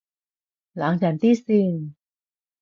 冷靜啲先